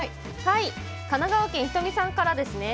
神奈川県、ひとみさんからですね。